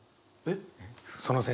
えっ？